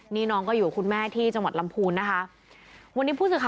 นี่น้องก็อยู่กับคุณแม่ที่จังหวัดลำพูนนะคะ